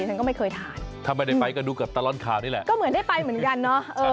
ฉันก็ไม่เคยทานถ้าไม่ได้ไปก็ดูกับตลอดข่าวนี่แหละก็เหมือนได้ไปเหมือนกันเนาะ